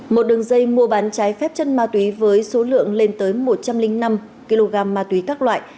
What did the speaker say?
một đường dây mua bán trái phép chân ma túy với số lượng lên tới một trăm linh năm kg ma túy các loại